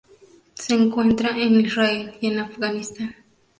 Se encuentra en Israel y en Afganistán.